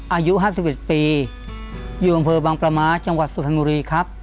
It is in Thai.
อายุ๕๑ปีอยู่บรรเวอร์บังประมาทจังหวัดสุธรณุรีครับ